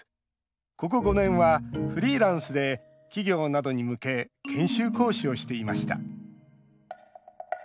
ここ５年は、フリーランスで企業などに向け研修講師をしていました。